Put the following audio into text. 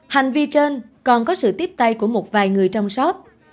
hành vi trên còn có sự tiếp tay của một vài người trong shop